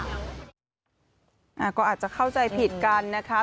อาจจะเข้าใจผิดกันนะคะ